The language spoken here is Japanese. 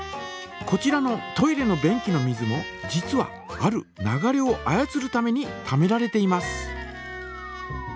こちらのトイレの便器の水も実はある流れを操るためにためられています。